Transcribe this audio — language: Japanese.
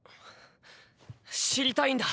知りたいんだ。